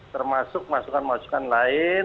termasuk masukan masukan lain